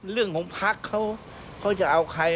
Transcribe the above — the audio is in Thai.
เรื่องของพักเขาเขาจะเอาใคร